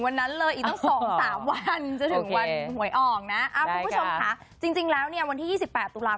พระพุทธคือพระพุทธคือ